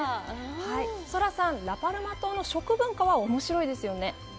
ソラさん、ラ・パルマ島の食文化はおもしろいですよね。